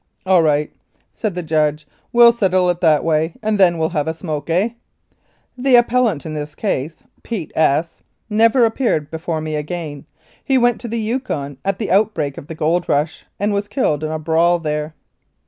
"All right," said the judge, "we'll settle it that way, and then we'll have a smoke, eh ?" The appellant in this case, Pete S , never appeared before me again he went to the Yukon at the outbreak of the gold rush, and was killed in a brawl there.